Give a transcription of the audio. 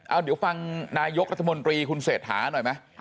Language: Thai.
เอาเดี๋ยวฟังนายกรัฐมนตรีคุณเศรษฐาหน่อยไหม